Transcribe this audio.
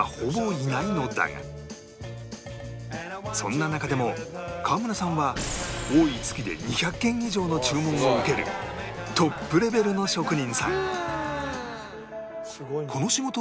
そんな中でも河村さんは多い月で２００件以上の注文を受けるトップレベルの職人さん